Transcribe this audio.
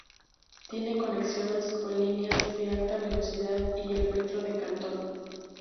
Tiene conexiones con líneas de alta velocidad y el metro de Cantón.